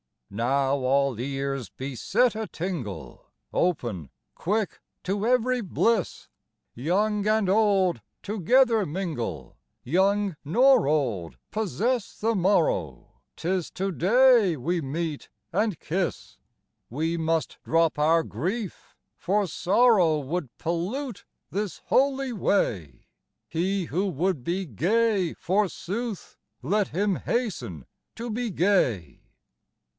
73 Now all ears be set a tingle, Open, quick to every bliss 1 Young and old together mingle, Young nor old possess the morrow, 'Tis to day we meet and kiss ; We must drop our grief, for sorrow Would pollute this holy way : He who would be gay, forsooth, Let him hasten to be gay.